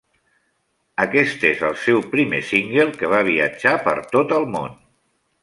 Aquest és el seu primer single que va viatjar per tot el món.